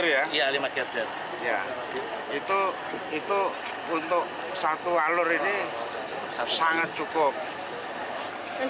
itu untuk satu alur ini sangat cukup